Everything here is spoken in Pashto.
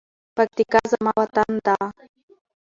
پکتیکا زما وطن ده.